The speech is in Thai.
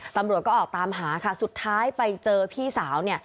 ตำรวจก็ออกตามหาค่ะสุดท้ายไปเจอพี่สาว